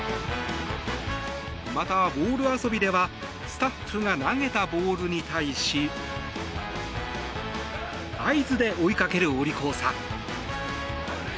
またボール遊びではスタッフが投げたボールに対し合図で追いかけるおりこうさん。